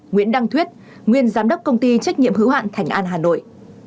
nguyễn đăng thuyết nguyên giám đốc công ty trách nhiệm hữu hạn thành an hà nội